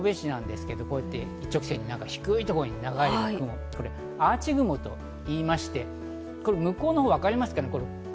こちら神戸市なんですけど、一直線に低いところに長い雲、アーチ雲といいまして、向こうのほうわかりますか？